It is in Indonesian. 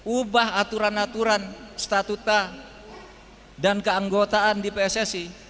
ubah aturan aturan statuta dan keanggotaan di pssi